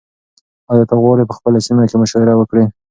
ایا ته غواړې په خپله سیمه کې مشاعره وکړې؟